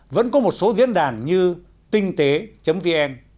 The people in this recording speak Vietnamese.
vẫn có một số diễn đàn như tinh tế vn